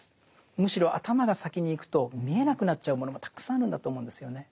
むしろ頭が先にいくと見えなくなっちゃうものもたくさんあるんだと思うんですよね。